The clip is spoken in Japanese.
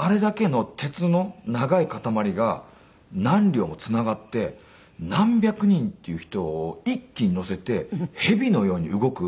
あれだけの鉄の長い塊が何両もつながって何百人っていう人を一気に乗せて蛇のように動く。